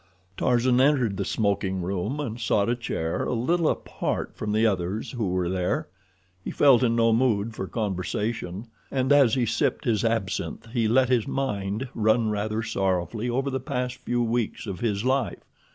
Tarzan entered the smoking room, and sought a chair a little apart from the others who were there. He felt in no mood for conversation, and as he sipped his absinth he let his mind run rather sorrowfully over the past few weeks of his life.